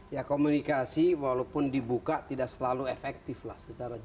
ya komunikasi walaupun dibuka tidak selalu efektif lah